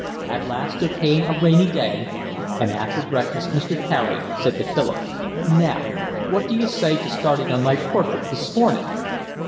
At last there came a rainy day, and after breakfast Mr. Carey said to Philip: "Now, what d'you say to starting on my portrait this morning?"